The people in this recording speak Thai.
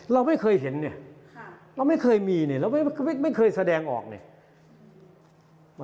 เราไม่เคยเห็นเนี่ยเราไม่เคยมีเนี่ยเราไม่เคยแสดงออกเนี่ย